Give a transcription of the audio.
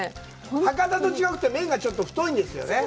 博多と違って、麺がちょっと太いんですよね。